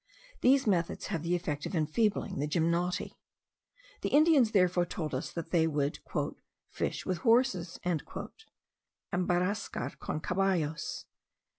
These methods have the effect of enfeebling the gymnoti. The Indians therefore told us that they would "fish with horses," (embarbascar con caballos.